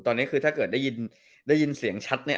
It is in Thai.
ตอนนี้คือถ้าเกิดได้ยินเสียงชัดเนี่ย